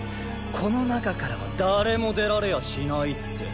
この中からは誰も出られやしないって。